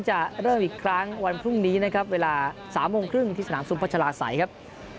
จะเริ่มอีกครั้งวันพรุ่งนี้นะครับเวลา๓โมงครึ่งที่สนามสุมพัชลาศัยครับ